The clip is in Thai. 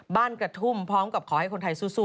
กระทุ่มพร้อมกับขอให้คนไทยสู้